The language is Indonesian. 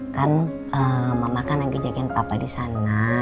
kan mama kan lagi jagain papa disana